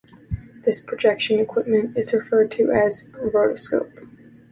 This projection equipment is referred to as a "rotoscope".